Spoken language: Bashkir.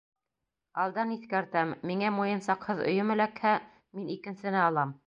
Алдан иҫкәртәм: миңә муйынсаҡһыҙ өйөм эләкһә, мин икенсене алам.